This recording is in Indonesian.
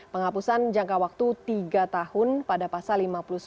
penghapusan jangka waktu tiga tahun pada pasal lima puluh sembilan